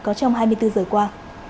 có trong hai mươi bốn h qua